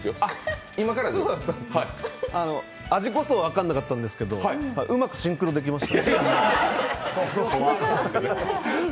味こそ分かんなかったんですけどうまくシンクロできました。